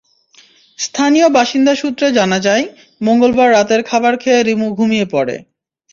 স্থানীয় বাসিন্দা সূত্রে জানা যায়, মঙ্গলবার রাতের খাবার খেয়ে রিমু ঘুমিয়ে পড়ে।